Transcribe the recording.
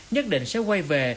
nhất định sẽ quay về